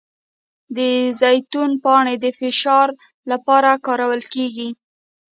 د زیتون پاڼې د فشار لپاره کارول کیږي؟